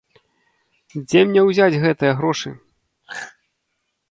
Дзе мне ўзяць гэтыя грошы?